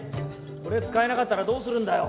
これ使えなかったらどうするんだよ？